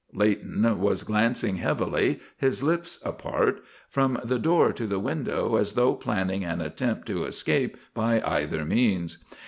Leighton was glancing heavily, his lips apart, from the door to the window as though planning an attempt to escape by either means.